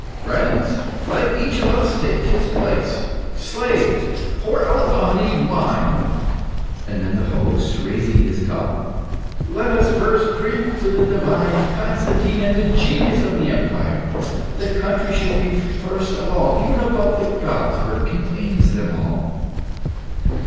"Friends, let each take his place! Slaves, pour out the honeyed wine!" Then, the host raising his cup "Let us first drink to the divine Constantine and the genius of the empire. The country should be put first of all, even above the gods, for it contains them all."